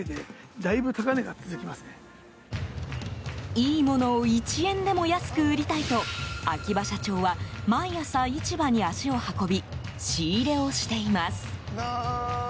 いいものを１円でも安く売りたいと秋葉社長は毎朝、市場に足を運び仕入れをしています。